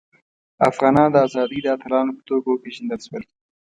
افغانان د ازادۍ د اتلانو په توګه وپيژندل شول.